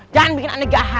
jangan bikin ana gahar ya